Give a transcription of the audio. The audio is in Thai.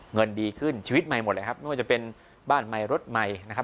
เงินดีขึ้นชีวิตใหม่หมดเลยครับไม่ว่าจะเป็นบ้านใหม่รถใหม่นะครับ